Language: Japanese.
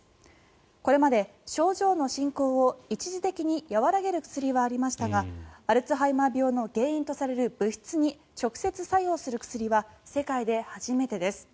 これまで症状の進行を一時的に和らげる薬はありましたがアルツハイマー病の原因とされる物質に直接作用する薬は世界で初めてです。